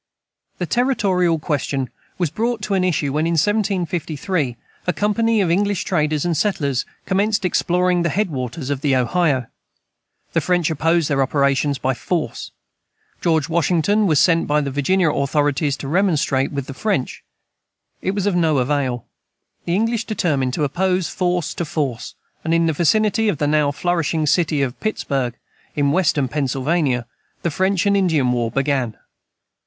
The territorial question was brought to an issue when, in 1753, a company of English traders and settlers commenced exploring the head waters of the Ohio. The French opposed their operations by force. George Washington was sent by the Virginia authorities to remonstrate with the French. It was of no avail. The English determined to oppose force to force; and in the vicinity of the now flourishing city of Pittsburg, in western Pennsylvania, the "French and Indian War" began.